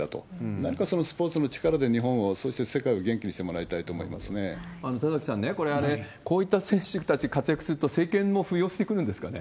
なんかそのスポーツの力で日本を、そして世界を元気にしてもらいた田崎さん、これ、こういった選手たち活躍すると、政権も浮揚してくるんですかね？